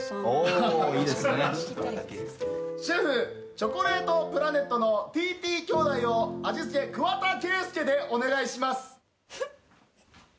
チョコレートプラネットのＴＴ兄弟を味付け桑田佳祐でお願いします。